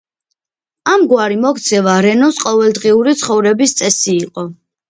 ამგვარი მოქცევა რენოს ყოველდღიური ცხოვრების წესი იყო.